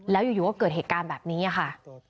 แล้วอยู่ก็เกิดเหตุการณ์แบบนี้ค่ะ